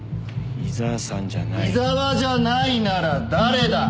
井沢じゃないなら誰だ？